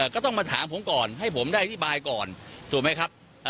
ก็ต้องมาถามผมก่อนให้ผมได้อธิบายก่อนถูกไหมครับ